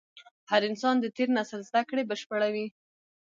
هر نسل د تېر نسل زدهکړې بشپړوي.